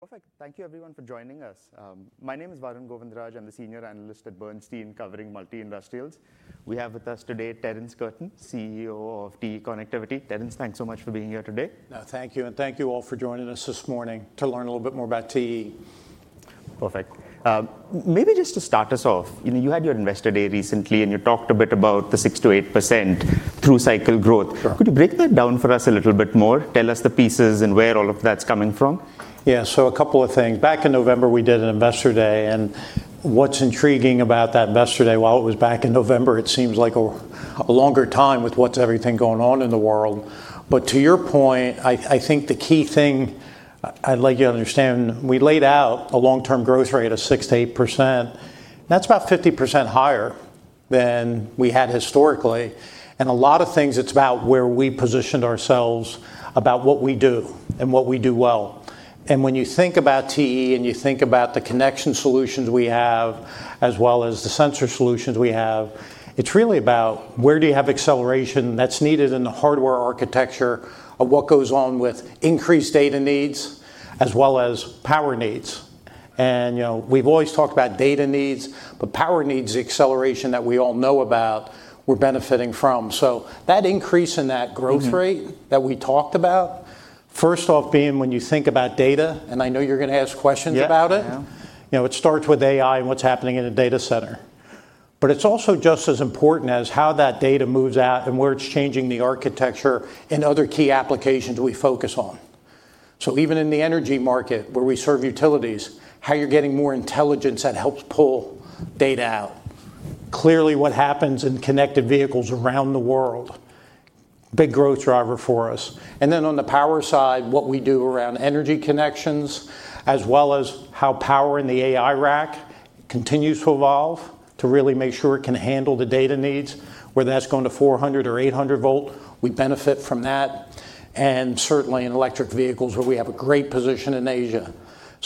Perfect. Thank you everyone for joining us. My name is Varun Govindaraj. I'm the senior analyst at Bernstein covering multi-industrials. We have with us today, Terrence Curtin, Chief Executive Officer of TE Connectivity. Terrence, thanks so much for being here today. No, thank you. Thank you all for joining us this morning to learn a little bit more about TE. Perfect. Maybe just to start us off, you had your Investor Day recently, and you talked a bit about the 6%-8% through-cycle growth. Sure. Could you break that down for us a little bit more? Tell us the pieces and where all of that's coming from. A couple of things. Back in November, we did an Investor Day, and what's intriguing about that Investor Day, while it was back in November, it seems like a longer time with what's everything going on in the world. To your point, I think the key thing I'd like you to understand, we laid out a long-term growth rate of 6%-8%. That's about 50% higher than we had historically. A lot of things, it's about where we positioned ourselves about what we do and what we do well. When you think about TE and you think about the connection solutions we have as well as the sensor solutions we have, it's really about where do you have acceleration that's needed in the hardware architecture of what goes on with increased data needs as well as power needs. We've always talked about data needs, but power needs acceleration that we all know about, we're benefiting from. That we talked about, first off being when you think about data, and I know you're going to ask questions about it. Yeah. It starts with AI and what's happening in a data center. It's also just as important as how that data moves out and where it's changing the architecture and other key applications we focus on, even in the energy market where we serve utilities, how you're getting more intelligence that helps pull data out. Clearly, what happens in connected vehicles around the world, big growth driver for us. On the power side, what we do around energy connections, as well as how power in the AI rack continues to evolve to really make sure it can handle the data needs, whether that's going to 400-volt or 800-volt, we benefit from that, and certainly in electric vehicles, where we have a great position in Asia.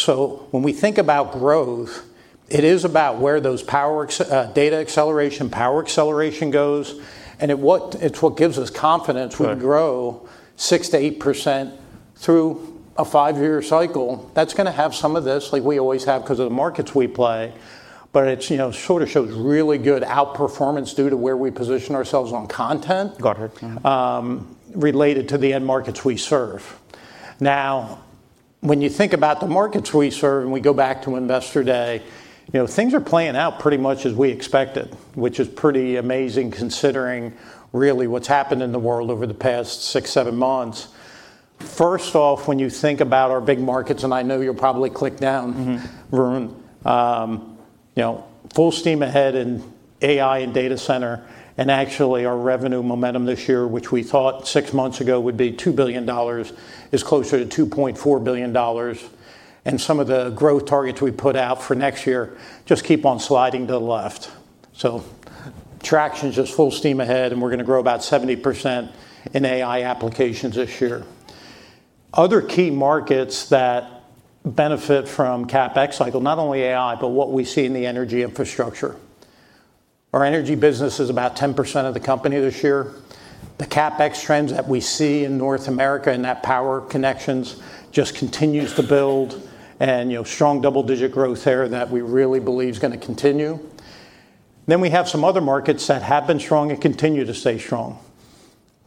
When we think about growth, it is about where those data acceleration, power acceleration goes, and it's what gives us confidence. Right. We grow 6%-8% through a five-year cycle. That's going to have some of this like we always have because of the markets we play, but it sort of shows really good outperformance due to where we position ourselves on content related to the end markets we serve. Now, when you think about the markets we serve, and we go back to Investor Day, things are playing out pretty much as we expected, which is pretty amazing considering really what's happened in the world over the past six, seven months. First off, when you think about our big markets, and I know you'll probably click down, Varun. Full steam ahead in AI and data center, our revenue momentum this year, which we thought six months ago would be $2 billion, is closer to $2.4 billion, and some of the growth targets we put out for next year just keep on sliding to the left. Traction's just full steam ahead, and we're going to grow about 70% in AI applications this year. Other key markets that benefit from CapEx cycle, not only AI, but what we see in the energy infrastructure. Our energy business is about 10% of the company this year. The CapEx trends that we see in North America and that power connections just continues to build, and strong double-digit growth there that we really believe is going to continue. We have some other markets that have been strong and continue to stay strong.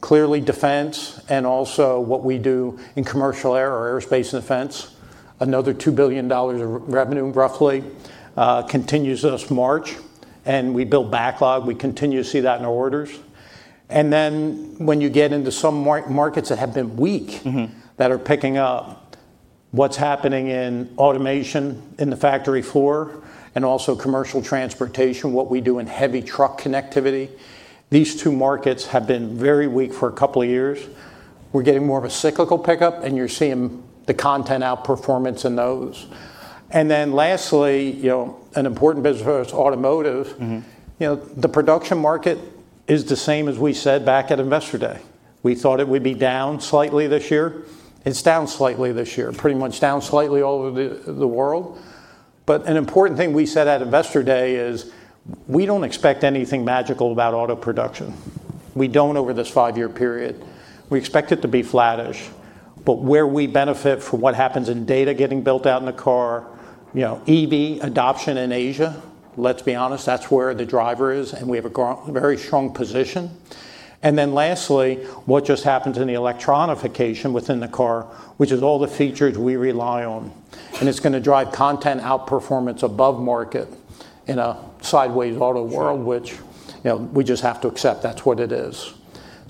Clearly, defense and also what we do in commercial air or aerospace and defense. Another $2 billion of revenue, roughly, continues this March, and we build backlog. We continue to see that in our orders. Then when you get into some markets that have been weak that are picking up. What's happening in automation in the factory floor and also commercial transportation, what we do in heavy truck connectivity? These two markets have been very weak for a couple of years. We're getting more of a cyclical pickup, and you're seeing the content outperformance in those. Lastly, an important business for us, automotive. The production market is the same as we said back at Investor Day. We thought it would be down slightly this year. It's down slightly this year. Pretty much down slightly all over the world. An important thing we said at Investor Day is we don't expect anything magical about auto production. We don't over this five-year period. We expect it to be flattish, but where we benefit from what happens in data getting built out in the car, electric vehicles adoption in Asia, let's be honest, that's where the driver is, and we have a very strong position. Lastly, what just happens in the electronification within the car, which is all the features we rely on, and it's going to drive content outperformance above market in a sideways auto world which we just have to accept that's what it is.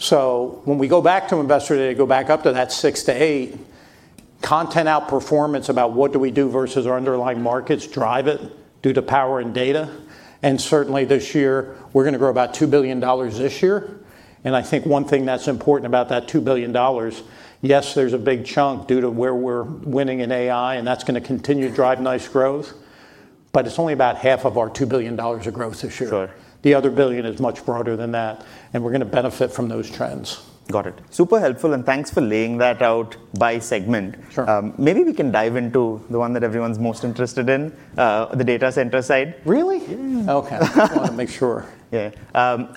When we go back to Investor Day, go back up to that 6%-8%, content outperformance about what do we do versus our underlying markets drive it due to power and data. Certainly this year, we're going to grow about $2 billion this year. I think one thing that's important about that $2 billion, yes, there's a big chunk due to where we're winning in AI. That's going to continue to drive nice growth, but it's only about half of our $2 billion of growth this year. Sure. The other $1 billion is much broader than that, and we're going to benefit from those trends. Got it. Super helpful. Thanks for laying that out by segment. Sure. Maybe we can dive into the one that everyone's most interested in, the data center side. Really? Yeah. Okay. Just want to make sure. Yeah.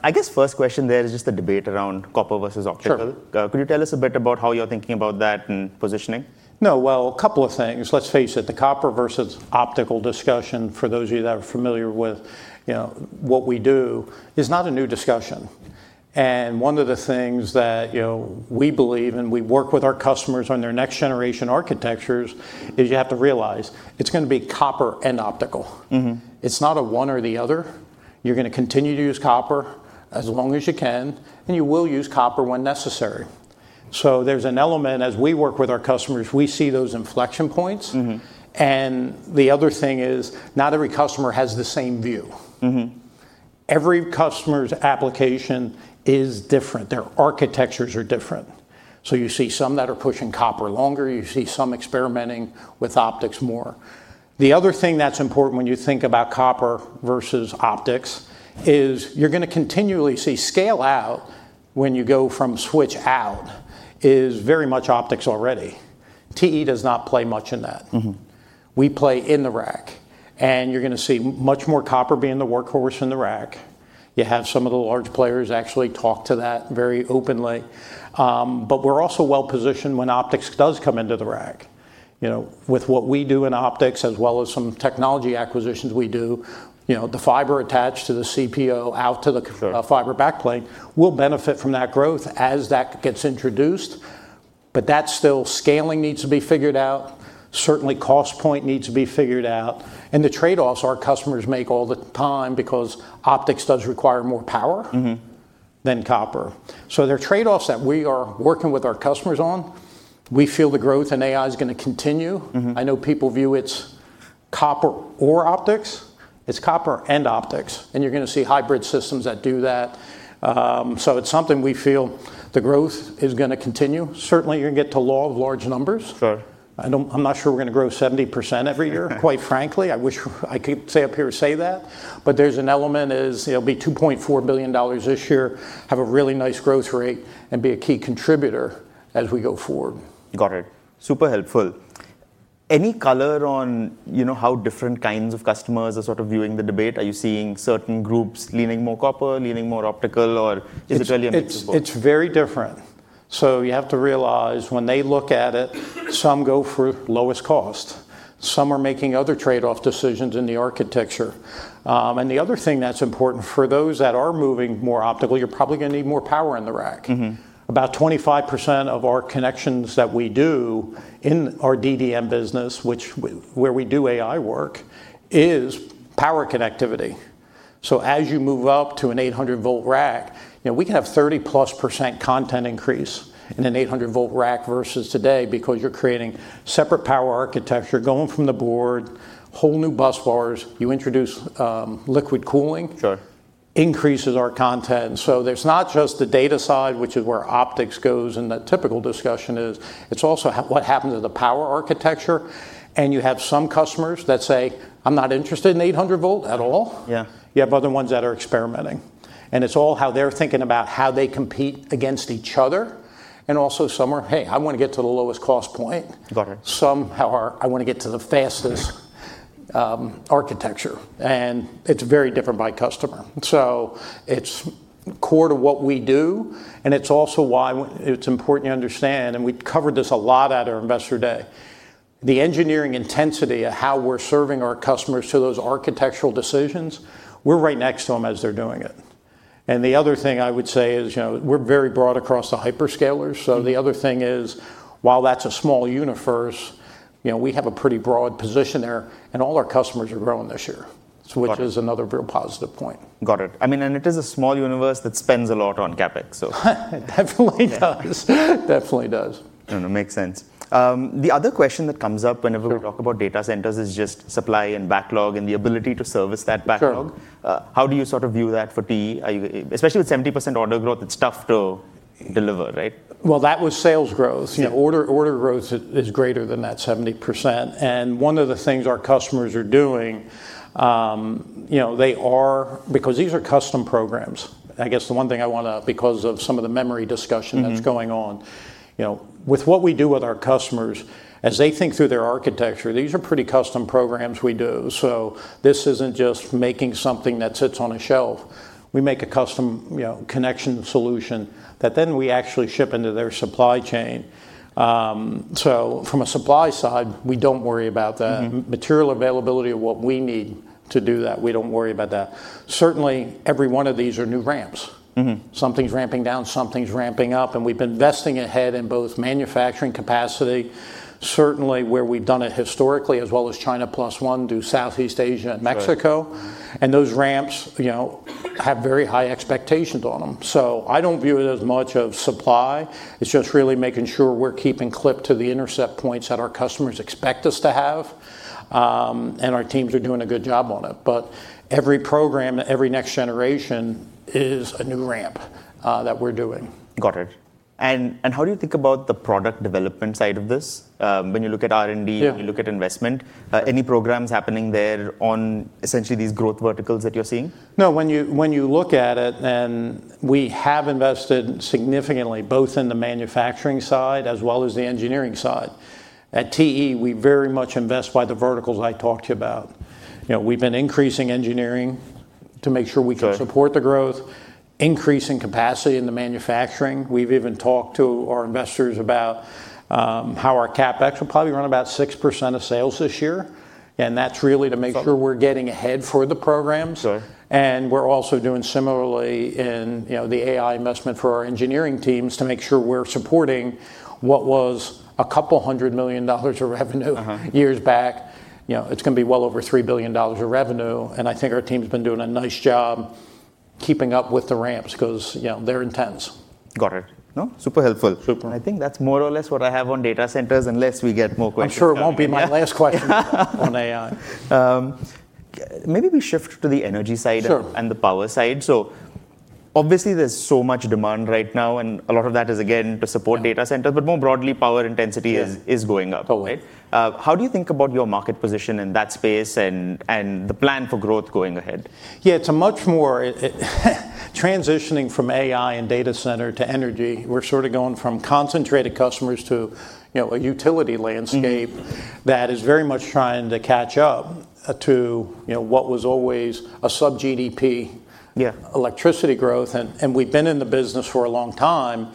I guess first question there is just the debate around copper versus optical. Sure. Could you tell us a bit about how you're thinking about that and positioning? No, well, a couple of things. Let's face it, the copper versus optical discussion, for those of you that are familiar with what we do, is not a new discussion. One of the things that we believe, and we work with our customers on their next generation architectures, is you have to realize, it's going to be copper and optical. It's not a one or the other. You're going to continue to use copper as long as you can, and you will use copper when necessary. There's an element as we work with our customers, we see those inflection points. The other thing is, not every customer has the same view. Every customer's application is different. Their architectures are different. You see some that are pushing copper longer. You see some experimenting with optics more. The other thing that's important when you think about copper versus optics is you're going to continually see scale-out, when you go from switch out, is very much optics already. TE does not play much in that. We play in the rack, and you're going to see much more copper being the workhorse in the rack. You have some of the large players actually talk to that very openly. We're also well-positioned when optics does come into the rack. With what we do in optics as well as some technology acquisitions we do, the fiber attached to the co-packaged optics out to the fiber backplane will benefit from that growth as that gets introduced, that's still scaling needs to be figured out. Certainly, cost point needs to be figured out. The trade-offs our customers make all the time because optics does require more power than copper. They're trade-offs that we are working with our customers on. We feel the growth in AI is going to continue. I know people view it's copper or optics. It's copper and optics, and you're going to see hybrid systems that do that. It's something we feel the growth is going to continue. Certainly, you're going to get to law of large numbers. Sure. I'm not sure we're going to grow 70% every year, quite frankly. I wish I could stand up here and say that, but there's an element is it'll be $2.4 billion this year, have a really nice growth rate, and be a key contributor as we go forward. Got it. Super helpful. Any color on how different kinds of customers are sort of viewing the debate? Are you seeing certain groups leaning more copper, leaning more optical, or is it really a mix of both? It's very different. You have to realize when they look at it, some go for lowest cost. Some are making other trade-off decisions in the architecture. The other thing that's important, for those that are moving more optical, you're probably going to need more power in the rack. About 25% of our connections that we do in our digital data networks business, where we do AI work, is power connectivity. As you move up to an 800-volt rack, we can have 30+% content increase in an 800-volt rack versus today because you're creating separate power architecture, going from the board, whole new bus bars. You introduce liquid cooling increases our content. There's not just the data side, which is where optics goes and the typical discussion is. It's also what happens with the power architecture, and you have some customers that say, "I'm not interested in 800-volt at all." Yeah. You have other ones that are experimenting, and it's all how they're thinking about how they compete against each other, and also some are, "Hey, I want to get to the lowest cost point." Got it. Some, however, I want to get to the fastest architecture. It's very different by customer. It's core to what we do, and it's also why it's important you understand, and we covered this a lot at our Investor Day. The engineering intensity of how we're serving our customers to those architectural decisions, we're right next to them as they're doing it. The other thing I would say is we're very broad across the hyperscalers. The other thing is, while that's a small universe, we have a pretty broad position there, and all our customers are growing this year it, which is another real positive point. Got it. It is a small universe that spends a lot on CapEx. It definitely does. No, no, makes sense. The other question that comes up whenever we talk about data centers is just supply and backlog and the ability to service that backlog. Sure. How do you sort of view that for TE? Especially with 70% order growth, it's tough to deliver, right? Well, that was sales growth. Yeah. Order growth is greater than that 70%. One of the things our customers are doing, because these are custom programs, because of some of the memory discussion that's going on. With what we do with our customers, as they think through their architecture, these are pretty custom programs we do. This isn't just making something that sits on a shelf. We make a custom connection solution that then we actually ship into their supply chain. From a supply side, we don't worry about material availability of what we need to do that. We don't worry about that. Certainly, every one of these are new ramps. Something's ramping down, something's ramping up. We've been investing ahead in both manufacturing capacity, certainly where we've done it historically, as well as China Plus One, do Southeast Asia and Mexico. Sure. Those ramps have very high expectations on them. I don't view it as much of supply. It's just really making sure we're keeping clip to the intercept points that our customers expect us to have. Our teams are doing a good job on it. Every program, every next generation is a new ramp that we're doing. Got it. How do you think about the product development side of this? When you look at R&D? Yeah. When you look at investment, any programs happening there on essentially these growth verticals that you're seeing? No, when you look at it, we have invested significantly both in the manufacturing side as well as the engineering side. At TE, we very much invest by the verticals I talked to you about. We've been increasing engineering to make sure we can support the growth, increasing capacity in the manufacturing. We've even talked to our investors about how our CapEx will probably run about 6% of sales this year, and that's really to make sure we're getting ahead for the programs. Sure. We're also doing similarly in the AI investment for our engineering teams to make sure we're supporting what was $200 million of revenue years back. It's going to be well over $3 billion of revenue, and I think our team's been doing a nice job keeping up with the ramps because they're intense. Got it. No, super helpful. Super. I think that's more or less what I have on data centers, unless we get more questions. I'm sure it won't be my last question, on AI. Maybe we shift to the energy side. Sure. And the power side, obviously, there's so much demand right now, and a lot of that is, again, to support data centers, but more broadly, power intensity is going up. Totally. How do you think about your market position in that space and the plan for growth going ahead? It's a much more transitioning from AI and data center to energy. We're sort of going from concentrated customers to a utility landscape that is very much trying to catch up to what was always a sub gross domestic product electricity growth, and we've been in the business for a long time,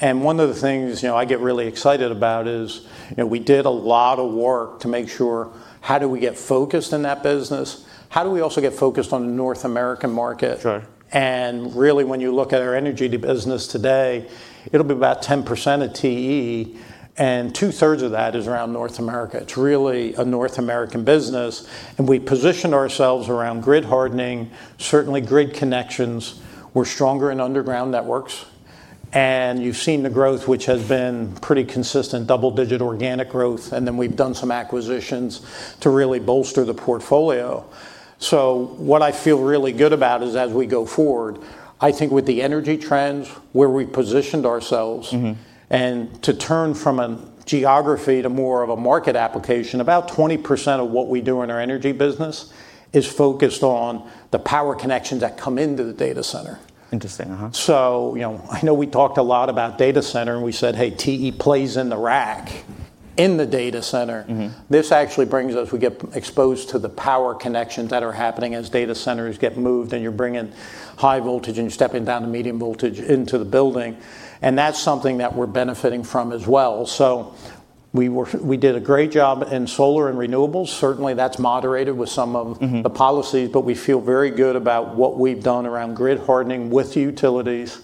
and one of the things I get really excited about is we did a lot of work to make sure how do we get focused in that business? How do we also get focused on the North American market? Sure. Really, when you look at our energy business today, it'll be about 10% of TE, and 2/3 of that is around North America. It's really a North American business, and we positioned ourselves around grid hardening, certainly grid connections. We're stronger in underground networks, and you've seen the growth, which has been pretty consistent, double-digit organic growth, and then we've done some acquisitions to really bolster the portfolio. What I feel really good about is, as we go forward, I think with the energy trends, where we positioned ourselves. To turn from a geography to more of a market application, about 20% of what we do in our energy business is focused on the power connections that come into the data center. Interesting. I know we talked a lot about data center, and we said, "Hey, TE plays in the rack in the data center." We get exposed to the power connections that are happening as data centers get moved, and you're bringing high voltage, and you're stepping down the medium voltage into the building, and that's something that we're benefiting from as well. We did a great job in solar and renewables. Certainly, that's moderated with some of a policy. We feel very good about what we've done around grid hardening with utilities,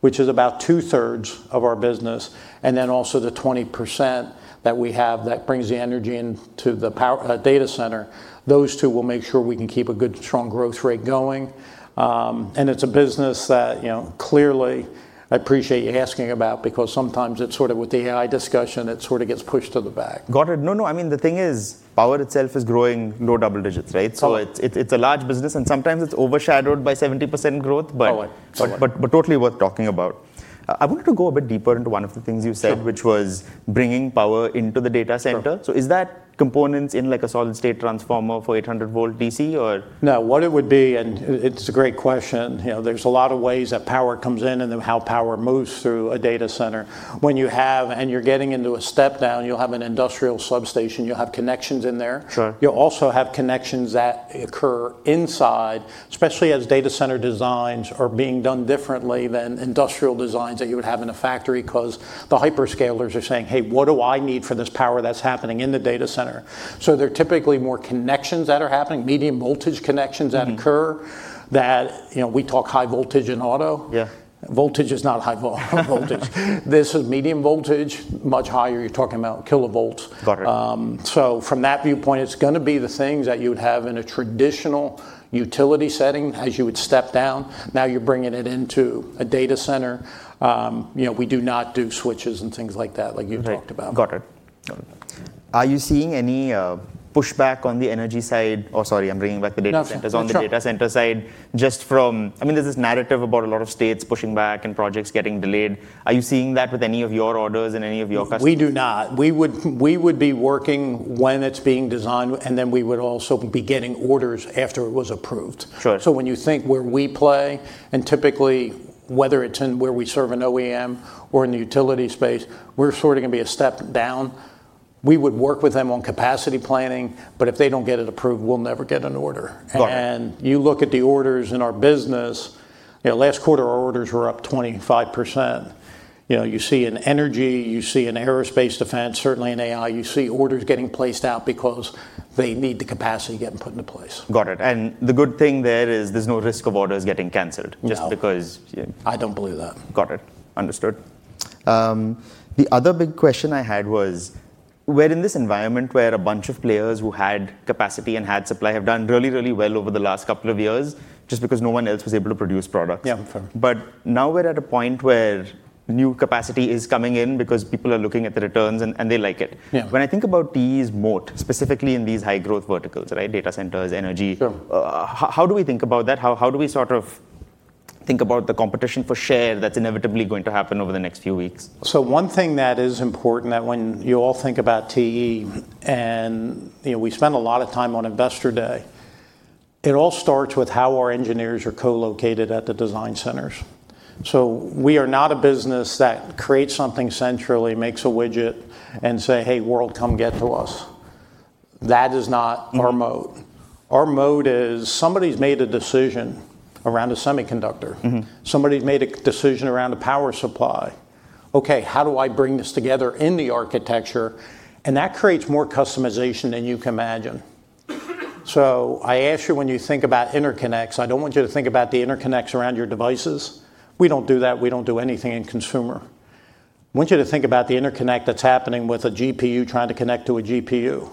which is about 2/3 of our business. Also the 20% that we have that brings the energy into the power data center. Those two will make sure we can keep a good, strong growth rate going. It's a business that clearly I appreciate you asking about because sometimes it's sort of with the AI discussion, it sort of gets pushed to the back. Got it. No, no. The thing is, power itself is growing low double digits, right? Totally. It's a large business, and sometimes it's overshadowed by 70% growth. Oh, yeah. Totally worth talking about. I wanted to go a bit deeper into one of the things you said which was bringing power into the data center. Is that components in a solid-state transformer for 800-volt DC? No. What it would be, it's a great question. There's a lot of ways that power comes in, how power moves through a data center. When you're getting into a step-down, you'll have an industrial substation, you'll have connections in there. Sure. You'll also have connections that occur inside, especially as data center designs are being done differently than industrial designs that you would have in a factory because the hyperscalers are saying, "Hey, what do I need for this power that's happening in the data center?" They're typically more connections that are happening, medium voltage connections that occur that we talk high voltage in auto. Yeah. Voltage is not high voltage. This is medium voltage, much higher. You are talking about kilovolts. Got it. From that viewpoint, it's going to be the things that you would have in a traditional utility setting as you would step down. Now you're bringing it into a data center. We do not do switches and things like that like you talked about. Right. Got it. Got it. Are you seeing any pushback on the energy side? Oh, sorry, I'm bringing back the data centers on the data center side, there's this narrative about a lot of states pushing back and projects getting delayed. Are you seeing that with any of your orders and any of your customers? We do not. We would be working when it's being designed, and then we would also be getting orders after it was approved. Sure. When you think where we play, and typically whether it's in where we serve an original equipment manufacturer or in the utility space, we're sort of going to be a step down. We would work with them on capacity planning, but if they don't get it approved, we'll never get an order. Got it. You look at the orders in our business, last quarter, our orders were up 25%. You see in energy, you see in aerospace defense, certainly in AI, you see orders getting placed out because they need the capacity getting put into place. Got it. The good thing there is there's no risk of orders getting canceled just because. I don't believe that. Got it. Understood. The other big question I had was, we're in this environment where a bunch of players who had capacity and had supply have done really, really well over the last couple of years just because no one else was able to produce products. Yeah. For sure. Now we're at a point where new capacity is coming in because people are looking at the returns, and they like it. Yeah. When I think about TE's moat, specifically in these high growth verticals, right? Data centers, energy. Sure. How do we think about that? How do we think about the competition for share that's inevitably going to happen over the next few weeks? One thing that is important that when you all think about TE, and we spend a lot of time on Investor Day, it all starts with how our engineers are co-located at the design centers. We are not a business that creates something centrally, makes a widget, and say, "Hey, world, come get to us." That is not our moat. Our moat is somebody's made a decision around a semiconductor. Somebody's made a decision around a power supply. Okay, how do I bring this together in the architecture? That creates more customization than you can imagine. I ask you, when you think about interconnects, I don't want you to think about the interconnects around your devices. We don't do that. We don't do anything in consumer. I want you to think about the interconnect that's happening with a graphics processing unit trying to connect to a GPU.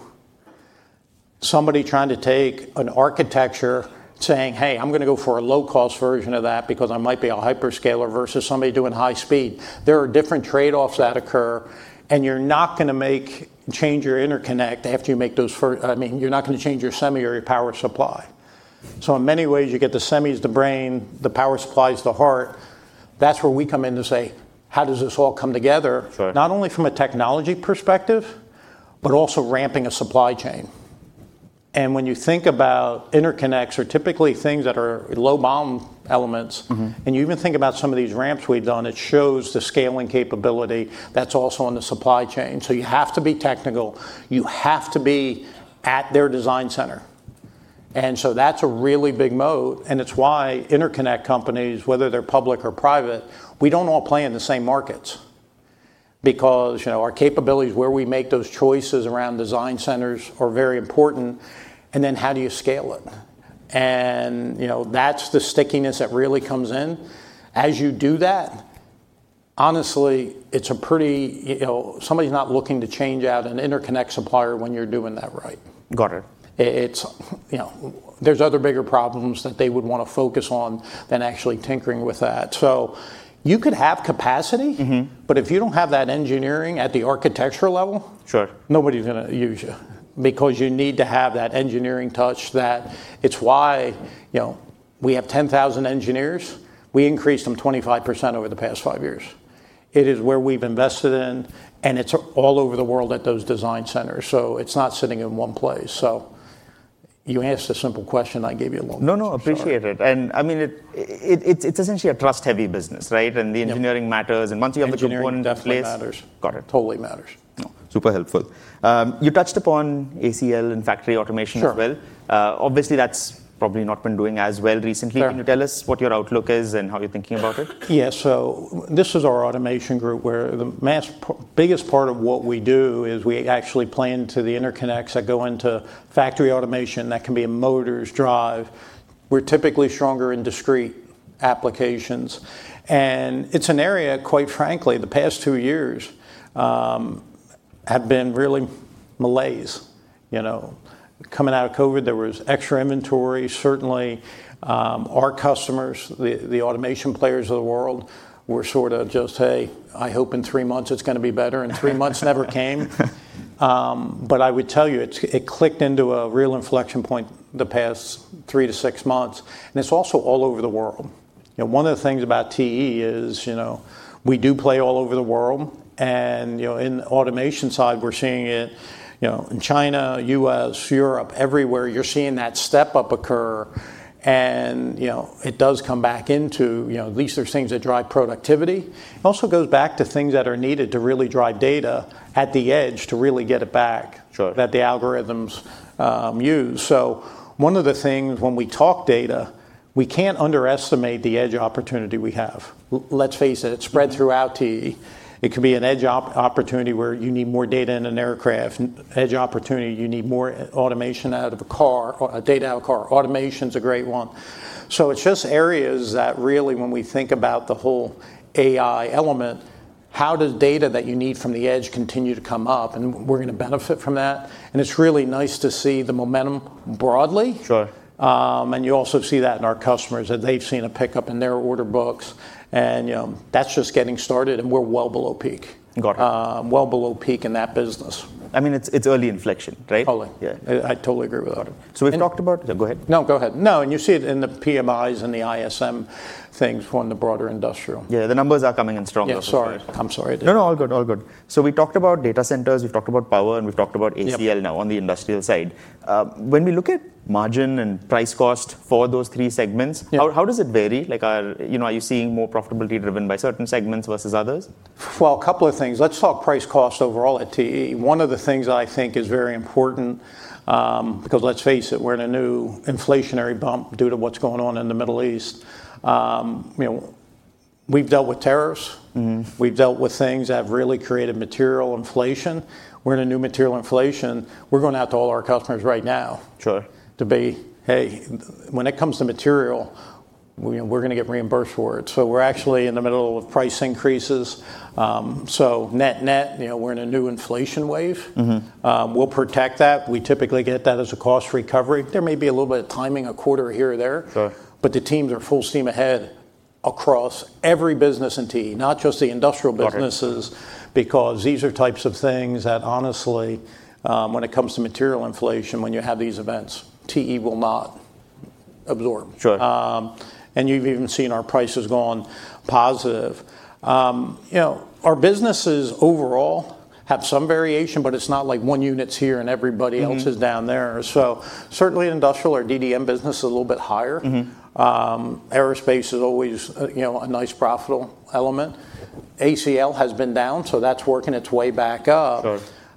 Somebody trying to take an architecture saying, "Hey, I'm going to go for a low-cost version of that because I might be a hyperscaler," versus somebody doing high speed. There are different trade-offs that occur, and you're not going to change your interconnect after you make those. You're not going to change your semi or your power supply. In many ways, you get the semis, the brain, the power supplies, the heart. That's where we come in to say, "How does this all come together?" Sure. Not only from a technology perspective, but also ramping a supply chain. When you think about interconnects or typically things that are low-bound elements. You even think about some of these ramps we've done, it shows the scaling capability. That's also on the supply chain. You have to be technical. You have to be at their design center. That's a really big moat, and it's why interconnect companies, whether they're public or private, we don't all play in the same markets. Our capabilities, where we make those choices around design centers are very important, and then how do you scale it? That's the stickiness that really comes in. As you do that, honestly, somebody's not looking to change out an interconnect supplier when you're doing that right. Got it. There's other bigger problems that they would want to focus on than actually tinkering with that. You could have capacity, if you don't have that engineering at the architectural level. Sure. Nobody's going to use you. You need to have that engineering touch. That it's why we have 10,000 engineers. We increased them 25% over the past five years. It is where we've invested in, and it's all over the world at those design centers, so it's not sitting in one place. You asked a simple question. I gave you a long answer. No, appreciate it. It's essentially a trust-heavy business, right? Yep. The engineering matters, and once you have the component in place. Engineering definitely matters. Got it. Totally matters. No, super helpful. You touched upon automation and connected living and factory automation as well. Sure. Obviously, that's probably not been doing as well recently. Fair. Can you tell us what your outlook is and how you're thinking about it? This is our automation group, where the biggest part of what we do is we actually play into the interconnects that go into factory automation. That can be a motors drive. We're typically stronger in discrete applications, it's an area, quite frankly, the past two years, have been really malaise. Coming out of COVID, there was extra inventory. Certainly, our customers, the automation players of the world, were sort of just, "Hey, I hope in three months it's going to be better." Three months never came. I would tell you, it clicked into a real inflection point the past three to six months, it's also all over the world. One of the things about TE is we do play all over the world, in the automation side, we're seeing it in China, U.S., Europe. Everywhere you're seeing that step-up occur, and it does come back into, at least there's things that drive productivity. It also goes back to things that are needed to really drive data at the edge to really get it back that the algorithms use. One of the things when we talk data, we can't underestimate the edge opportunity we have. Let's face it's spread throughout TE. It could be an edge opportunity where you need more data in an aircraft. Edge opportunity, you need more automation out of a car, or data out of a car. Automation's a great one. It's just areas that really, when we think about the whole AI element, how does data that you need from the edge continue to come up? We're going to benefit from that, and it's really nice to see the momentum broadly. Sure. You also see that in our customers, that they've seen a pickup in their order books. That's just getting started, and we're well below peak. Got it. Well below peak in that business. It's early inflection, right? Early. Yeah. I totally agree with that. Got it. Go ahead. No, go ahead. No, you see it in the purchasing managers' indexes and the Institute for Supply Management things from the broader industrial. The numbers are coming in stronger for sure. Yeah, sorry. I'm sorry. No, all good. We talked about data centers, we've talked about power, and we've talked about [ACL] now on the industrial side. When we look at margin and price cost for those three segments. Yeah. How does it vary? Are you seeing more profitability driven by certain segments versus others? Well, a couple of things. Let's talk price cost overall at TE. One of the things that I think is very important, because let's face it, we're in a new inflationary bump due to what's going on in the Middle East. We've dealt with tariffs. We've dealt with things that have really created material inflation. We're in a new material inflation. We're going out to all our customers right now. Sure. To be, "Hey, when it comes to material, we're going to get reimbursed for it." We're actually in the middle of price increases. Net-net, we're in a new inflation wave. We'll protect that. We typically get that as a cost recovery. There may be a little bit of timing, a quarter here or there. Sure. The teams are full steam ahead across every business in TE, not just the industrial businesses. Okay. Because these are types of things that honestly, when it comes to material inflation, when you have these events, TE will not absorb. Sure. You've even seen our prices gone positive. Our businesses overall have some variation, but it's not like one unit's here and everybody else is down there. Certainly industrial or DDN business is a little bit higher. Aerospace is always a nice profitable element. ACL has been down. That's working its way back up.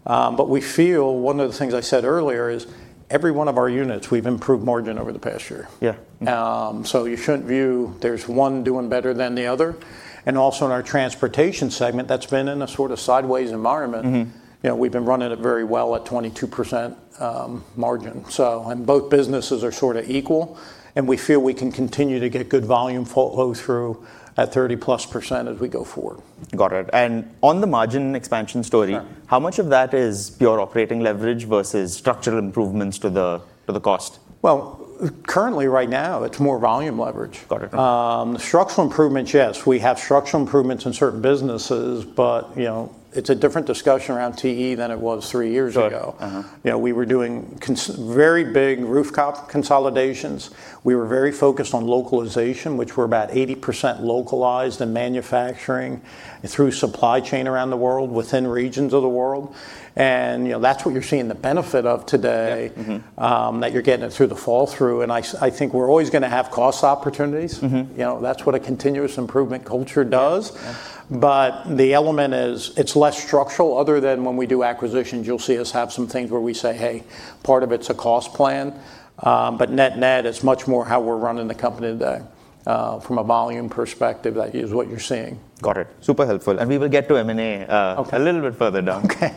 Sure. We feel, one of the things I said earlier is every one of our units, we've improved margin over the past year. Yeah. You shouldn't view there's one doing better than the other. Also in our Transportation segment, that's been in a sort of sideways environment. We've been running it very well at 22% margin. Both businesses are sort of equal, and we feel we can continue to get good volume flow through at 30+% as we go forward. Got it. On the margin expansion story. Yeah. How much of that is your operating leverage versus structural improvements to the cost? Well, currently right now, it's more volume leverage. Got it. Structural improvements, yes. We have structural improvements in certain businesses, but it's a different discussion around TE than it was three years ago. Sure. We were doing very big roof consolidations. We were very focused on localization, which we're about 80% localized in manufacturing through supply chain around the world, within regions of the world. That's what you're seeing the benefit of today. Yeah. That you're getting it through the fall-through, and I think we're always going to have cost opportunities. That's what a continuous improvement culture does. The element is, it's less structural other than when we do acquisitions, you'll see us have some things where we say, "Hey, part of it's a cost plan." Net-net, it's much more how we're running the company today. From a volume perspective, that is what you're seeing. Got it. Super helpful. We will get to M&A. Okay. A little bit further down. Okay.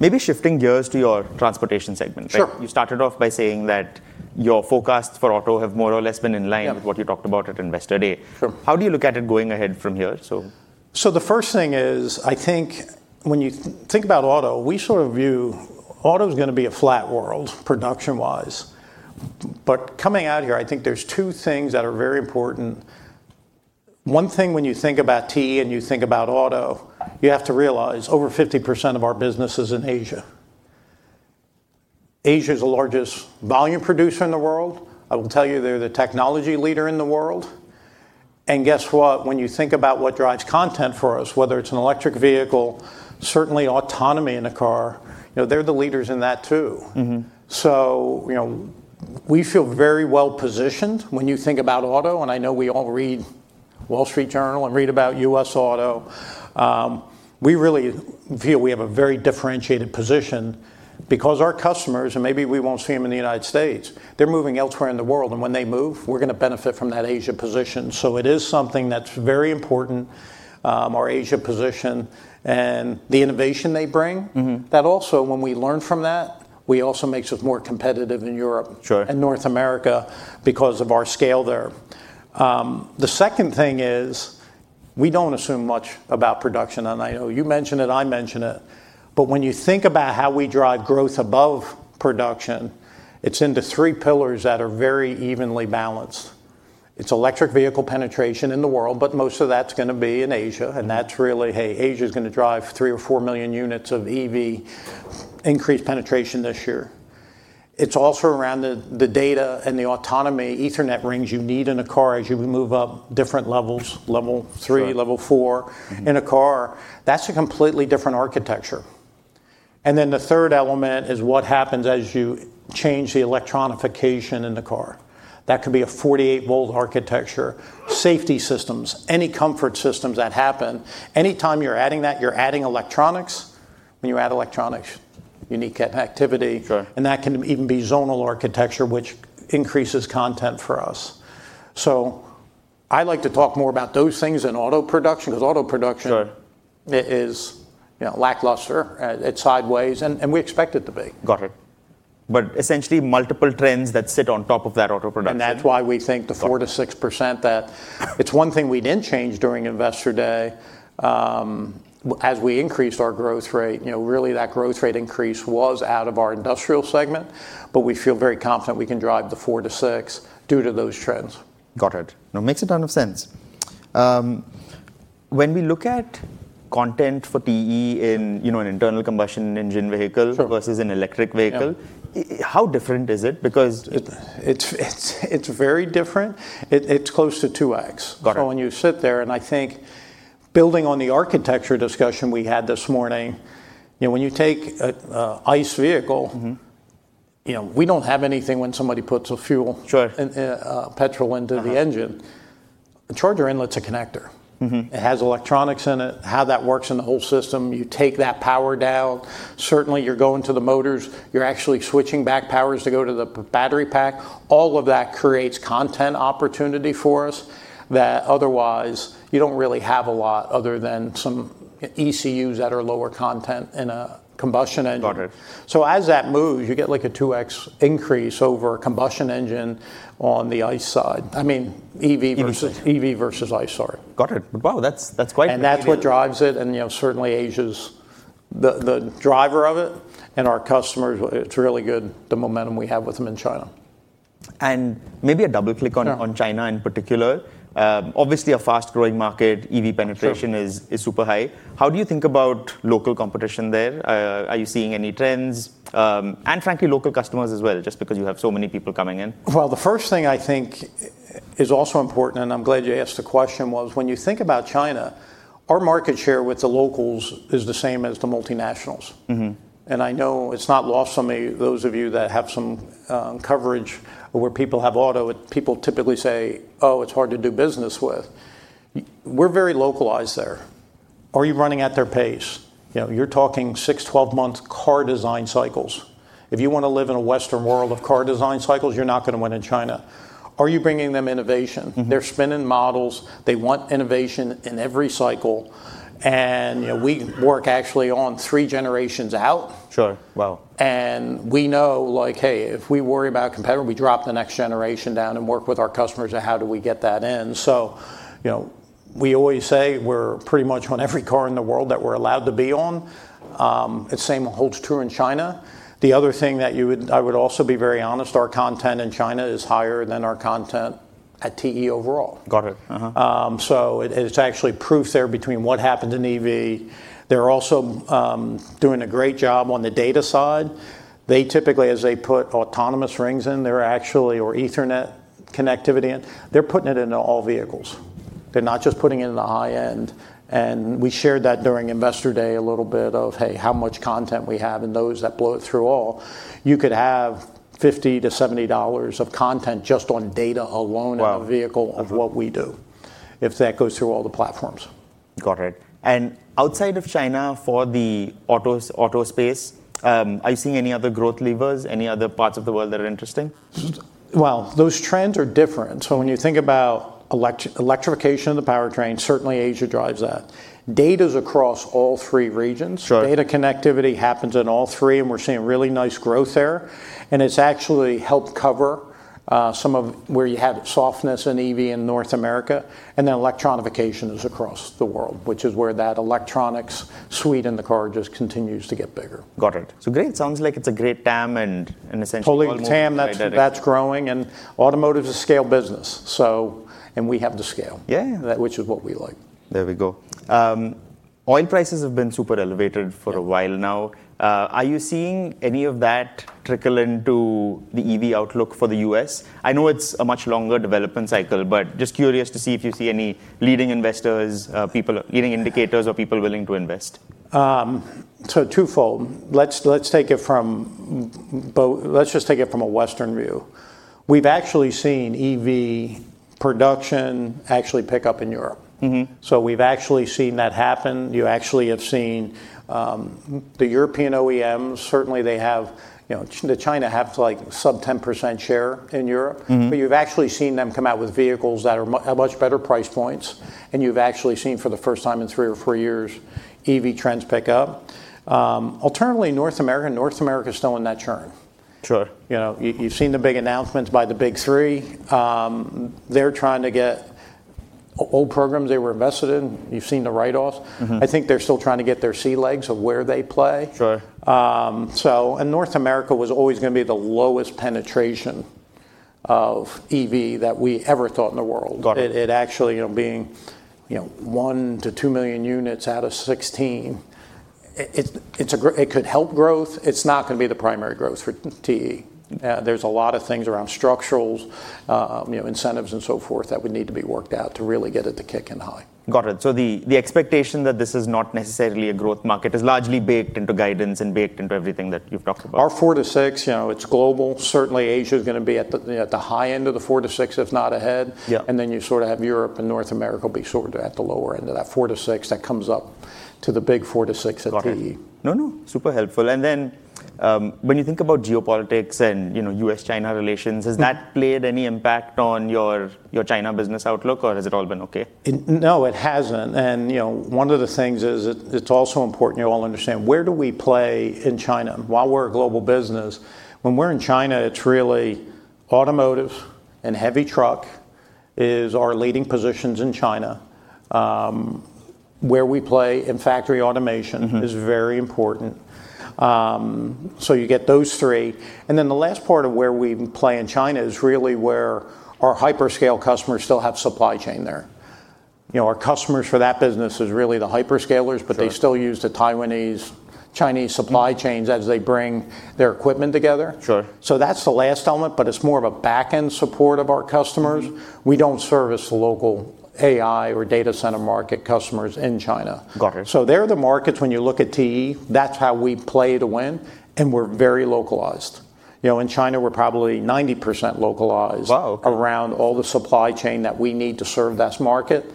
Maybe shifting gears to your transportation segment. Sure. You started off by saying that your forecasts for auto have more or less been in line with what you talked about at Investor Day. Sure. How do you look at it going ahead from here, so? The first thing is, I think when you think about auto, we sort of view auto's going to be a flat world production-wise. Coming out here, I think there's two things that are very important. One thing when you think about TE and you think about auto, you have to realize over 50% of our business is in Asia. Asia's the largest volume producer in the world. I will tell you they're the technology leader in the world. Guess what? When you think about what drives content for us, whether it's an electric vehicle, certainly autonomy in a car, they're the leaders in that, too. We feel very well positioned when you think about auto, and I know we all read The Wall Street Journal and read about U.S. auto. We really feel we have a very differentiated position because our customers, and maybe we won't see them in the United States, they're moving elsewhere in the world, and when they move, we're going to benefit from that Asia position. It is something that's very important, our Asia position and the innovation they bring. That also, when we learn from that, we also makes us more competitive in Europe and North America because of our scale there. The second thing is we don't assume much about production. I know you mention it, I mention it. When you think about how we drive growth above production, it's into three pillars that are very evenly balanced. It's electric vehicle penetration in the world, but most of that's going to be in Asia. That's really, hey, Asia's going to drive 3 million or 4 million units of EV increased penetration this year. It's also around the data and the autonomy, Ethernet rings you need in a car as you move up different levels, level three. Sure. Level four in a car. That's a completely different architecture. The third element is what happens as you change the electronification in the car. That could be a 48-volt architecture, safety systems, any comfort systems that happen. Any time you're adding that, you're adding electronics. When you add electronics, you need connectivity. Sure. That can even be zonal architecture, which increases content for us. I like to talk more about those things than auto production, because auto production is lackluster. It's sideways, and we expect it to be. Got it. Essentially multiple trends that sit on top of that auto production. That's why we think the 4%-6%, that it's one thing we didn't change during Investor Day, as we increased our growth rate, really that growth rate increase was out of our industrial segment, but we feel very confident we can drive the 4%-6% due to those trends. Got it. No, makes a ton of sense. When we look at content for TE in an internal combustion engine vehicle versus an electric vehicle. Yeah. How different is it? It's very different. It's close to 2x. Got it. When you sit there, and I think building on the architecture discussion we had this morning, when you take a. We don't have anything when somebody puts a fuel petrol into the engine. A charger inlet's a connector. It has electronics in it, how that works in the whole system, you take that power down, certainly you're going to the motors. You're actually switching back powers to go to the battery pack. All of that creates content opportunity for us that otherwise you don't really have a lot other than some electronic control units that are lower content in a combustion engine. Got it. As that moves, you get like a 2x increase over a combustion engine on the ICE side. I mean, EV versus ICE, sorry. Got it. Wow, that's quite significant. That's what drives it, and certainly Asia's the driver of it, and our customers, it's really good, the momentum we have with them in China. And maybe a double click on China in particular. Obviously, a fast-growing market, EV penetration is super high. How do you think about local competition there? Are you seeing any trends? Frankly, local customers as well, just because you have so many people coming in. Well, the first thing I think is also important, and I'm glad you asked the question, was when you think about China, our market share with the locals is the same as the multinationals. I know it's not lost on those of you that have some coverage where people have auto, people typically say, "Oh, it's hard to do business with." We're very localized there. Are you running at their pace? You're talking six, 12-month car design cycles. If you want to live in a Western world of car design cycles, you're not going to win in China. Are you bringing them innovation? They're spinning models. They want innovation in every cycle. We work actually on three generations out. Sure. Wow. We know like, hey, if we worry about competitive, we drop the next generation down and work with our customers on how do we get that in? We always say we're pretty much on every car in the world that we're allowed to be on. The same holds true in China. The other thing that I would also be very honest, our content in China is higher than our content at TE overall. Got it. It's actually proof there between what happened in EV. They're also doing a great job on the data side. They typically, as they put autonomous rings in, or Ethernet connectivity in, they're putting it into all vehicles. They're not just putting it in the high end. We shared that during Investor Day, a little bit of, hey, how much content we have, and those that blow it through all. You could have $50-$70 of content just on data alone in a vehicle of what we do, if that goes through all the platforms. Got it. Outside of China for the auto space, are you seeing any other growth levers, any other parts of the world that are interesting? Well, those trends are different. When you think about electrification of the powertrain, certainly Asia drives that. Data's across all three regions. Sure. Data connectivity happens in all three, and we're seeing really nice growth there. It's actually helped cover some of where you have softness in EV in North America, and then electronification is across the world, which is where that electronics suite in the car just continues to get bigger. Got it. great. It sounds like it's a great total addressable market and essentially. Pulling TAM that's growing, and automotive's a scale business. We have the scale which is what we like. There we go. Oil prices have been super elevated for a while now. Are you seeing any of that trickle into the EV outlook for the U.S.? I know it's a much longer development cycle, but just curious to see if you see any leading investors, leading indicators, or people willing to invest. Twofold. Let's just take it from a Western view. We've actually seen EV production actually pick up in Europe. We've actually seen that happen. You actually have seen the European OEMs, certainly they have, the China have sub 10% share in Europe. You've actually seen them come out with vehicles that have much better price points. You've actually seen for the first time in three or four years, EV trends pick up. Alternatively, North America. North America's still in that churn. Sure. You've seen the big announcements by the Big Three. They're trying to get old programs they were invested in, you've seen the write-offs. I think they're still trying to get their sea legs of where they play. Sure. North America was always going to be the lowest penetration of EV that we ever thought in the world. Got it. It actually being 1 million-2 million units out of 16, it could help growth. It's not going to be the primary growth for TE. There's a lot of things around structurals, incentives and so forth that would need to be worked out to really get it to kick in high. Got it. The expectation that this is not necessarily a growth market is largely baked into guidance and baked into everything that you've talked about. Our four to six, it's global. Certainly, Asia is going to be at the high end of the four to six, if not ahead. Yeah. You sort of have Europe and North America will be sort of at the lower end of that four to six that comes up to the big four to six at TE. Got it. No, super helpful. When you think about geopolitics and U.S.-China relations, has that played any impact on your China business outlook, or has it all been okay? No, it hasn't. One of the things is, it's also important you all understand, where do we play in China? While we're a global business, when we're in China, it's really automotive, and heavy truck is our leading positions in China. Where we play in factory automation is very important. You get those three. The last part of where we play in China is really where our hyperscale customers still have supply chain there. Our customers for that business is really the hyperscalers. Sure. They still use the Taiwanese, Chinese supply chains as they bring their equipment together. Sure. That's the last element, but it's more of a back end support of our customers. We don't service the local AI or data center market customers in China. Got it. They're the markets when you look at TE, that's how we play to win, and we're very localized. In China, we're probably 90% localized. Wow, okay. Around all the supply chain that we need to serve this market.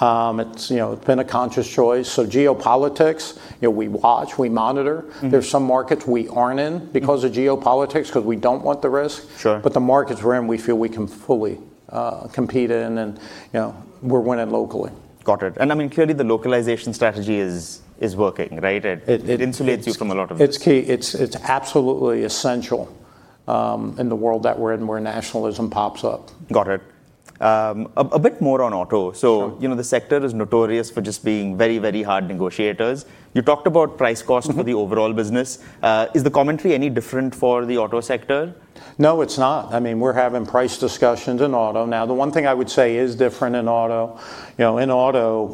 It's been a conscious choice. Geopolitics, we watch, we monitor. There's some markets we aren't in because of geopolitics, because we don't want the risk. Sure. The markets we're in, we feel we can fully compete in and we're winning locally. Got it. Clearly the localization strategy is working, right? It is. It insulates you from a lot of. It's key. It's absolutely essential in the world that we're in, where nationalism pops up. Got it. A bit more on auto. Sure. The sector is notorious for just being very hard negotiators. You talked about price for the overall business. Is the commentary any different for the auto sector? No, it's not. We're having price discussions in auto now. The one thing I would say is different in auto,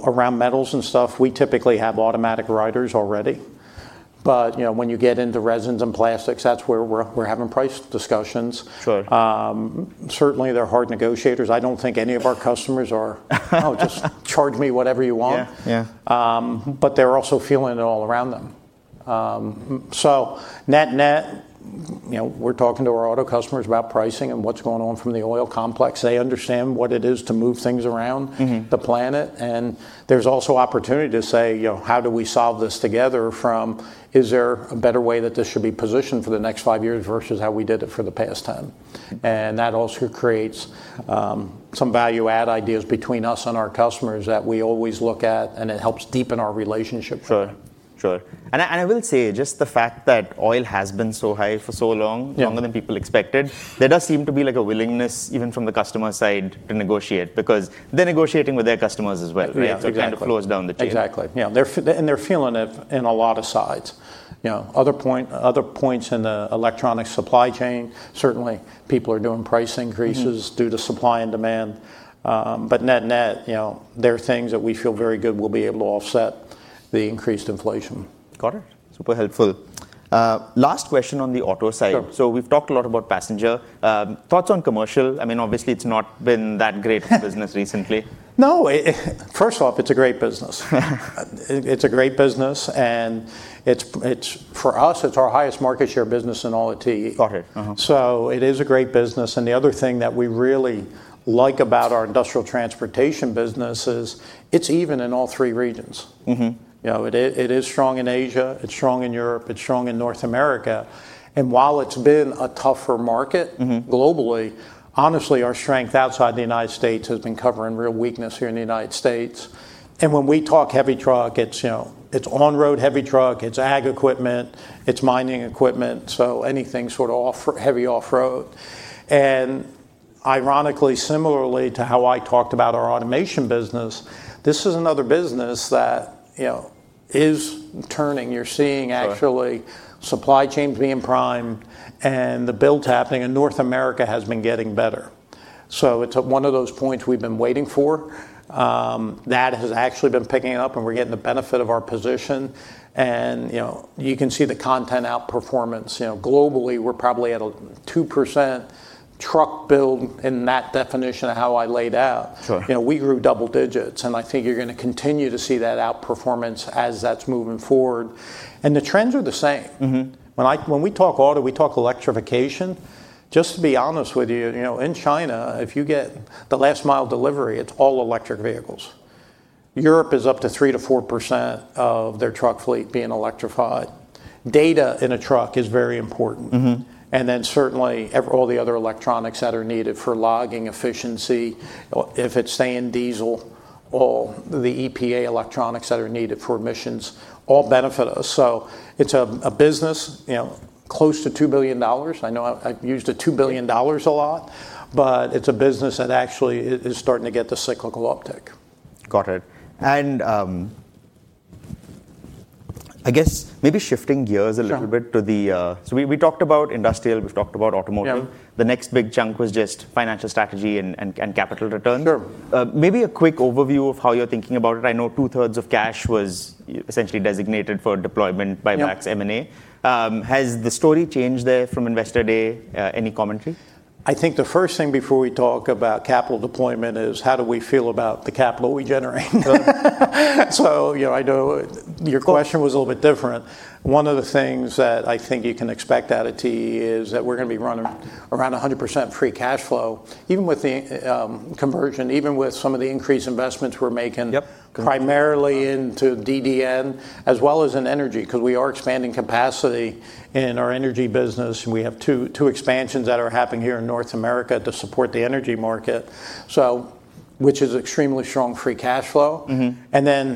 around metals and stuff, we typically have automatic riders already. When you get into resins and plastics, that's where we're having price discussions. Sure. Certainly, they're hard negotiators. I don't think any of our customers are, "Oh, just charge me whatever you want." Yeah. They're also feeling it all around them. Net, we're talking to our auto customers about pricing and what's going on from the oil complex. They understand what it is to move things around the planet. There's also opportunity to say, "How do we solve this together from, is there a better way that this should be positioned for the next five years versus how we did it for the past 10?" That also creates some value add ideas between us and our customers that we always look at, and it helps deepen our relationship. Sure. I will say, just the fact that oil has been so high for so long, longer than people expected, there does seem to be a willingness even from the customer side to negotiate, because they're negotiating with their customers as well, right? Yeah. Exactly. It kind of flows down the chain. Exactly. Yeah. They're feeling it in a lot of sides. Other points in the electronic supply chain, certainly people are doing price increases due to supply and demand. Net, there are things that we feel very good we'll be able to offset the increased inflation. Got it. Super helpful. Last question on the auto side. Sure. We've talked a lot about passenger. Thoughts on commercial. Obviously, it's not been that great of a business recently. No. First off, it's a great business. It's a great business, and for us, it's our highest market share business in all of TE. Got it It is a great business, and the other thing that we really like about our industrial transportation business is it's even in all three regions. It is strong in Asia, it's strong in Europe, it's strong in North America. While it's been a tougher market globally, honestly, our strength outside the United States has been covering real weakness here in the United States. When we talk heavy truck, it's on-road heavy truck, it's agricultural equipment, it's mining equipment, so anything sort of heavy off-road. Ironically, similarly to how I talked about our automation business, this is another business that is turning supply chains being primed and the build happening, and North America has been getting better. It's one of those points we've been waiting for. That has actually been picking up, and we're getting the benefit of our position and you can see the content outperformance. Globally, we're probably at a 2% truck build in that definition of how I laid out. Sure. We grew double digits, and I think you're going to continue to see that outperformance as that's moving forward. The trends are the same. When we talk auto, we talk electrification. Just to be honest with you, in China, if you get the last mile delivery, it's all electric vehicles. Europe is up to 3%-4% of their truck fleet being electrified. Data in a truck is very important. Then certainly, all the other electronics that are needed for logging efficiency, if it's staying diesel or the Environmental Protection Agency electronics that are needed for emissions, all benefit us. It's a business close to $2 billion. I know I've used a $2 billion a lot, but it's a business that actually is starting to get the cyclical uptick. Got it. I guess maybe shifting gears a little bit. Sure. We talked about industrial, we've talked about automotive. Yeah. The next big chunk was just financial strategy and capital return. Sure. Maybe a quick overview of how you're thinking about it. I know 2/3 of cash was essentially designated for deployment. Yep. Max M&A. Has the story changed there from Investor Day? Any commentary? I think the first thing before we talk about capital deployment is how do we feel about the capital we generate? So, I know your question was a little bit different. One of the things that I think you can expect out of TE is that we're going to be running around 100% free cash flow, even with the conversion, even with some of the increased investments we're making primarily into DDN as well as in energy, because we are expanding capacity in our energy business, and we have two expansions that are happening here in North America to support the energy market, which is extremely strong free cash flow.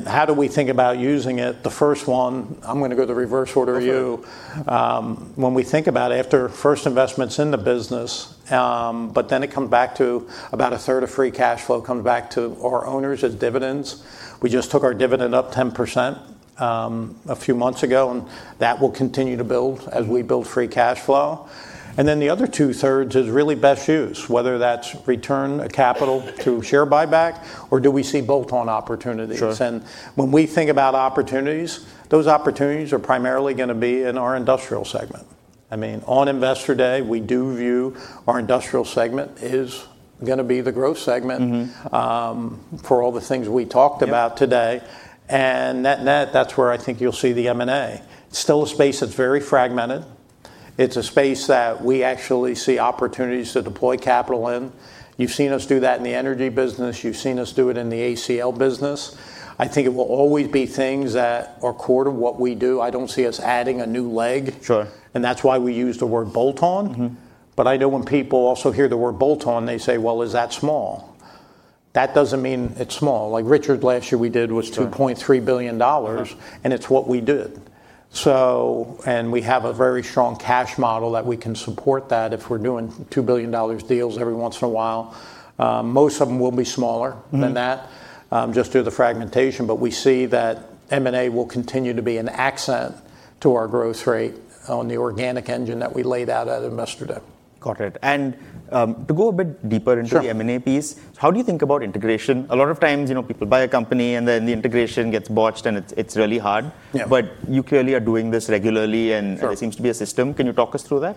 How do we think about using it? The first one, I'm going to go the reverse order of you. Okay. When we think about it, after first investments in the business, it comes back to about a third of free cash flow comes back to our owners as dividends. We just took our dividend up 10% a few months ago, and that will continue to build as we build free cash flow. The other 2/3 is really best use, whether that's return capital to share buyback or do we see bolt-on opportunities? Sure. When we think about opportunities, those opportunities are primarily going to be in our industrial segment. On Investor Day, we do view our industrial segment is going to be the growth segment for all the things we talked about today. Yep. Net, that's where I think you'll see the M&A. Still a space that's very fragmented. It's a space that we actually see opportunities to deploy capital in. You've seen us do that in the energy business. You've seen us do it in the ACL business. I think it will always be things that are core to what we do. I don't see us adding a new leg. Sure. That's why we use the word bolt-on. I know when people also hear the word bolt-on, they say, "Well, is that small?" That doesn't mean it's small. Like Richards, last year we did was $2.3 billion. Sure. It's what we did. We have a very strong cash model that we can support that if we're doing $2 billion deals every once in a while. Most of them will be smaller than that just due to the fragmentation, but we see that M&A will continue to be an accent to our growth rate on the organic engine that we laid out at Investor Day. Got it. Sure. The M&A piece, how do you think about integration? A lot of times, people buy a company, and then the integration gets botched, and it's really hard. Yeah. You clearly are doing this regularly. Sure. There seems to be a system. Can you talk us through that?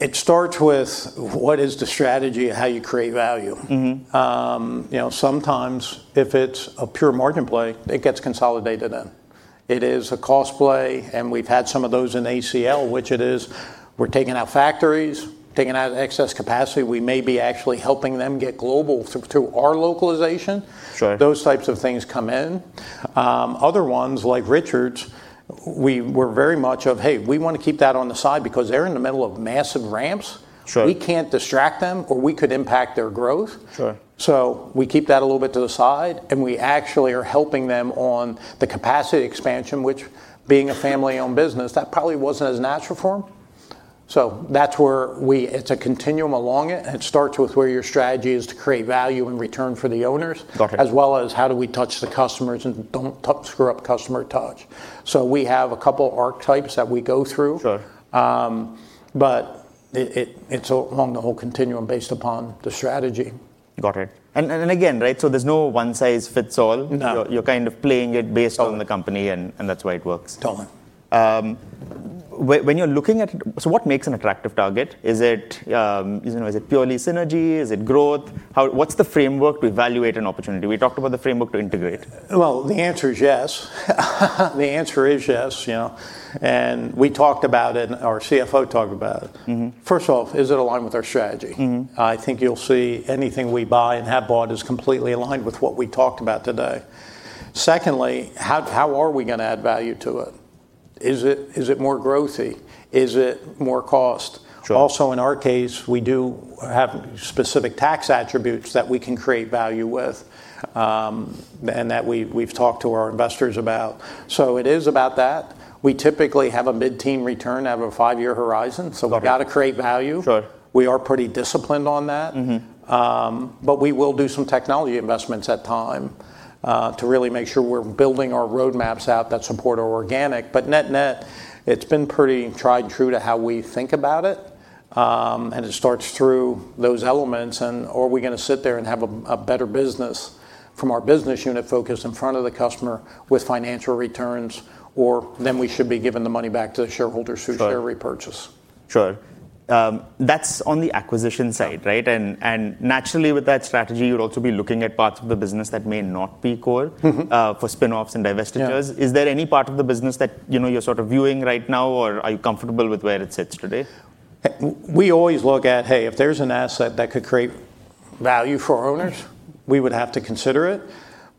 It starts with: What is the strategy of how you create value? Sometimes if it's a pure margin play, it gets consolidated in. It is a cost play, and we've had some of those in ACL, which it is, we're taking out factories, taking out excess capacity. We may be actually helping them get global through our localization. Sure. Those types of things come in. Other ones, like Richards, we were very much of, "Hey, we want to keep that on the side because they're in the middle of massive ramps." Sure. We can't distract them, or we could impact their growth. Sure. We keep that a little bit to the side, and we actually are helping them on the capacity expansion, which being a family-owned business, that probably wasn't as natural for them. That's where we, it's a continuum along it, and it starts with where your strategy is to create value and return for the owners. Got it. As well as how do we touch the customers and don't screw up customer touch. We have a couple archetypes that we go through. Sure. It's along the whole continuum based upon the strategy. Got it. Again, right, so there's no one size fits all. No. You're kind of playing it based on the company, and that's why it works. Totally. What makes an attractive target? Is it purely synergy? Is it growth? What's the framework to evaluate an opportunity? We talked about the framework to integrate. Well, the answer is yes. The answer is yes. We talked about it, and our CFO talked about it. First off, is it aligned with our strategy? I think you'll see anything we buy and have bought is completely aligned with what we talked about today. Secondly, how are we going to add value to it? Is it more growthy? Is it more cost? Sure. In our case, we do have specific tax attributes that we can create value with, and that we've talked to our investors about. It is about that. We typically have a mid-teen return out of a five-year horizon. Got it. We've got to create value. Sure. We are pretty disciplined on that. We will do some technology investments at times to really make sure we're building our roadmaps out that support our organic. Net-net, it's been pretty tried and true to how we think about it. It starts through those elements and are we going to sit there and have a better business from our business unit focus in front of the customer with financial returns? We should be giving the money back to the shareholders, share repurchase. Sure. That's on the acquisition side, right? Naturally, with that strategy, you'll also be looking at parts of the business that may not be core for spinoffs and divestitures. Yeah. Is there any part of the business that you're sort of viewing right now, or are you comfortable with where it sits today? We always look at, hey, if there's an asset that could create value for owners, we would have to consider it.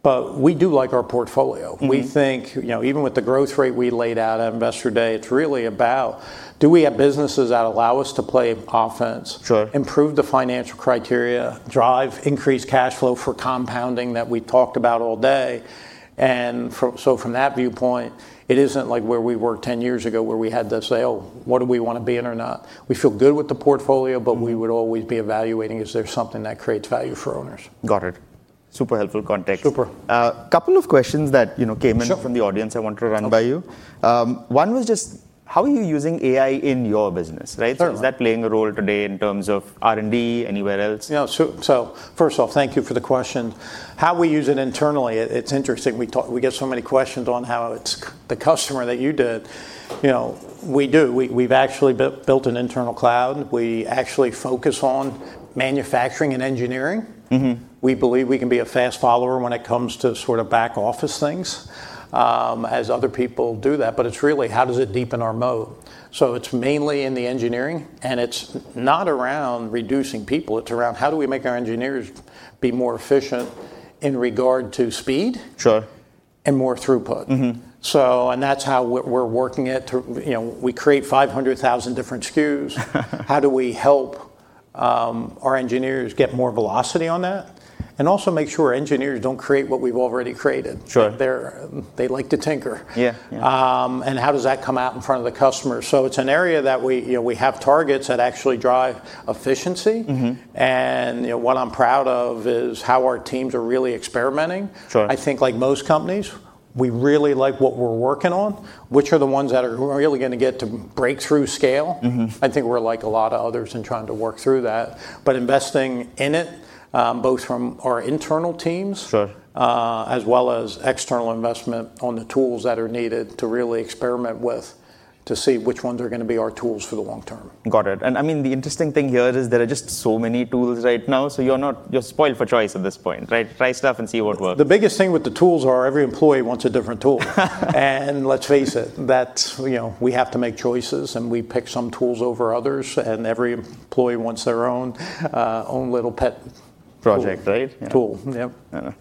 We do like our portfolio. We think, even with the growth rate we laid out at Investor Day, it's really about, do we have businesses that allow us to play offense. Sure. Improve the financial criteria, drive increased cash flow for compounding that we talked about all day. From that viewpoint, it isn't like where we were 10 years ago where we had to say, "Oh, what do we want to be in or not?" We feel good with the portfolio, but we would always be evaluating if there's something that creates value for owners. Got it. Super helpful context. Super. A couple of questions that came in from the audience I want to run by you. One was just, how are you using AI in your business, right? Sure. Is that playing a role today in terms of R&D, anywhere else? Yeah. First off, thank you for the question. How we use it internally, it's interesting. We get so many questions on how. We do. We've actually built an internal cloud. We actually focus on manufacturing and engineering. We believe we can be a fast follower when it comes to sort of back office things, as other people do that, but it's really how does it deepen our moat? It's mainly in the engineering, and it's not around reducing people. It's around how do we make our engineers be more efficient in regard to speed. Sure. And more throughput. That's how we're working it, we create 500,000 different stock keeping units. How do we help our engineers get more velocity on that and also make sure engineers don't create what we've already created? Sure. They like to tinker. Yeah. How does that come out in front of the customer? It's an area that we have targets that actually drive efficiency. What I'm proud of is how our teams are really experimenting. Sure. I think like most companies, we really like what we're working on, which are the ones that are really going to get to breakthrough scale. I think we're like a lot of others in trying to work through that, but investing in it, both from our internal teams. Sure. As well as external investment on the tools that are needed to really experiment with to see which ones are going to be our tools for the long term. Got it. The interesting thing here is there are just so many tools right now, so you're spoiled for choice at this point, right? Try stuff and see what works. The biggest thing with the tools are every employee wants a different tool. Let's face it, we have to make choices, and we pick some tools over others, and every employee wants their own little pet. Project, right? Tool. Yep.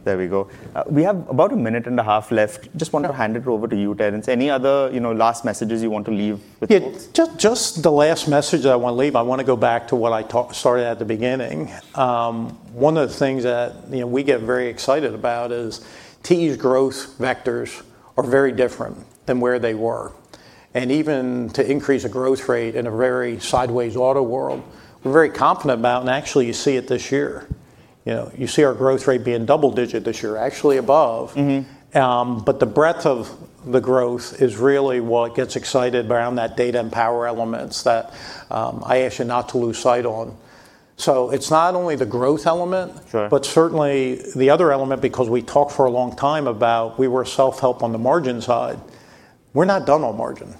There we go. We have about a minute and a half left. Just want to hand it over to you, Terrence. Any other last messages you want to leave with folks? Yeah. Just the last message that I want to leave, I want to go back to what I started at the beginning. One of the things that we get very excited about is TE's growth vectors are very different than where they were. Even to increase a growth rate in a very sideways auto world, we're very confident about, and actually you see it this year. You see our growth rate being double digit this year, actually above. The breadth of the growth is really what gets excited around that data and power elements that I ask you not to lose sight on. It's not only the growth element. Sure. Certainly the other element, because we talked for a long time about we were self-help on the margin side. We're not done on margin.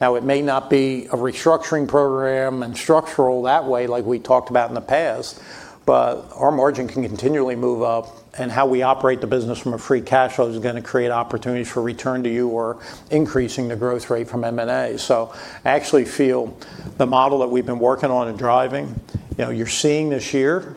It may not be a restructuring program and structural that way like we talked about in the past, but our margin can continually move up, and how we operate the business from a free cash flow is going to create opportunities for return to you or increasing the growth rate from M&A. I actually feel the model that we've been working on and driving, you're seeing this year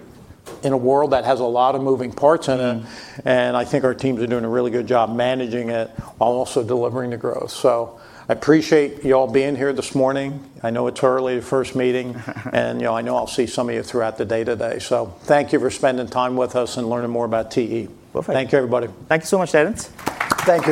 in a world that has a lot of moving parts in it, and I think our teams are doing a really good job managing it while also delivering the growth. I appreciate you all being here this morning. I know it's her early first meeting. I know I'll see some of you throughout the day today. Thank you for spending time with us and learning more about TE. Perfect. Thank you, everybody. Thank you so much, Terrence. Thank you